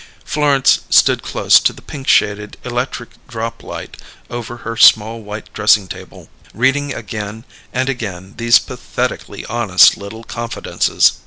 _" Florence stood close to the pink shaded electric drop light over her small white dressing table, reading again and again these pathetically honest little confidences.